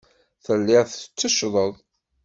Telliḍ tetteccḍeḍ.